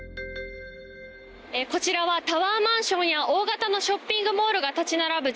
こちらはタワーマンションや大型のショッピングモールが立ち並ぶ